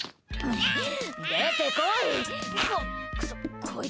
出てこい！